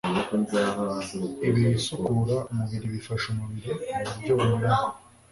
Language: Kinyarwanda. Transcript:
Ibisukura umubiri bifasha umubiri mu buryo bunyuranye :